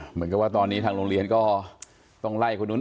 เหมือนกับตอนทางโรงเรียนก็ต้องไหลคุณหนุ่ม